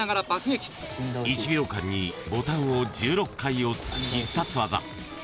［１秒間にボタンを１６回押す］